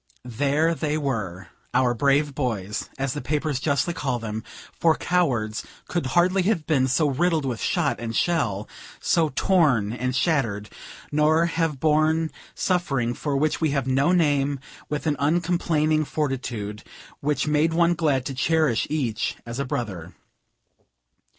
There they were! "our brave boys," as the papers justly call them, for cowards could hardly have been so riddled with shot and shell, so torn and shattered, nor have borne suffering for which we have no name, with an uncomplaining fortitude, which made one glad to cherish each as a brother.